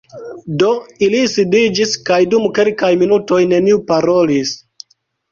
Ili do sidiĝis, kaj dum kelkaj minutoj neniu_ parolis.